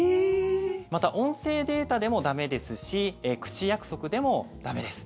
また、音声データでも駄目ですし口約束でも駄目です。